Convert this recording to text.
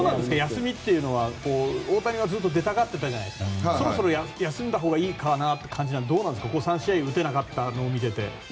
休みというのは大谷はずっと出たがってたじゃないですかそろそろ休んだほうがいいという感じなのかどうなんですか、ここ３試合打てなかったのを見てて。